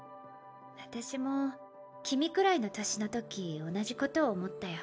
私も君くらいの年のとき同じことを思ったよ。